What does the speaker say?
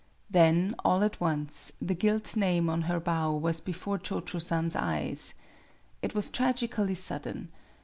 Then, all at once, the gilt name on her bow was before Cho Cho San's eyes. It was tragically sudden.